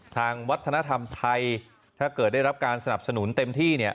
ทางวัฒนธรรมไทยถ้าเกิดได้รับการสนับสนุนเต็มที่เนี่ย